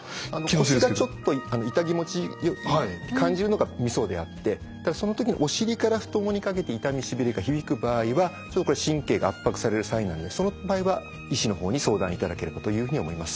腰がちょっとイタ気持ちいいと感じるのがみそであってその時にお尻から太ももにかけて痛みしびれが響く場合は神経が圧迫されるサインなんでその場合は医師の方に相談いただければというふうに思います。